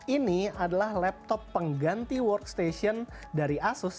ini adalah laptop pengganti workstation dari asus